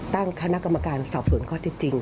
ตั้งคณะกรรมการสอบสวนข้อที่จริง